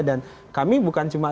dan kami bukan cuma